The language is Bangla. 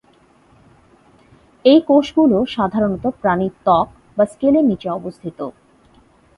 এই কোষগুলো সাধারণত প্রাণীর ত্বক বা স্কেলের নিচে অবস্থিত।